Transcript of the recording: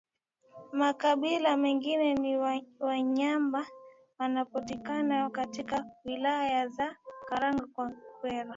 Makabila mengine ni Wanyambo wanaopatikana katika Wilaya za Karagwe na Kyerwa